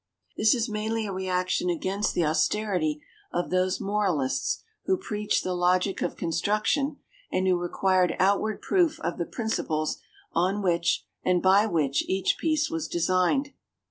This is mainly a reaction against the austerity of those moralists who preached the logic of construction, and who required outward proof of the principles on which and by which each piece was designed.